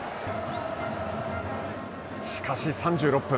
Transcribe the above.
しかし、３６分。